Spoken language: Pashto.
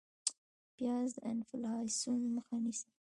پیاز د انفلاسیون مخه نیسي